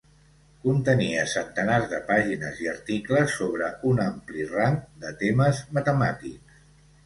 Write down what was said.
Contenia centenars de pàgines i articles sobre un ampli rang de temes matemàtics.